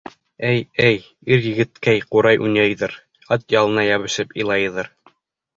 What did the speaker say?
— Эй, эй, ир-егеткәй ҡурай уйнайҙыр, ат ялына йәбешеп илайҙыр.